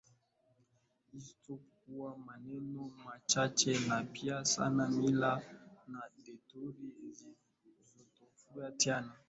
isipokuwa maneno machache na pia yana mila na desturi zinazotofautiana